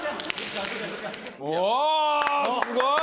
おおすごい！